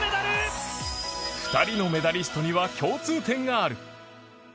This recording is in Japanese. ２人のメダリストには共通点がある。